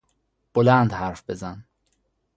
بلند حرف بزن